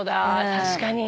確かに。